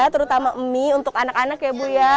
terutama mie untuk anak anak ya bu ya